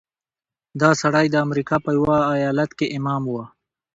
دا سړی د امریکا په یوه ایالت کې امام و.